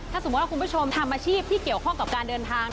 ถ้าสมมุติว่าคุณผู้ชมทำอาชีพที่เกี่ยวข้องกับการเดินทาง